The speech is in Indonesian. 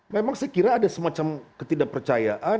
memang saya kira ada semacam ketidak percayaan